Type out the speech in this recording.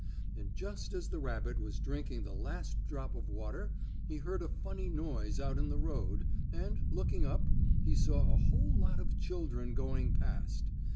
And just as the rabbit was drinking the last drop of water he heard a funny noise out in the road, and, looking up, he saw a whole lot of children going past.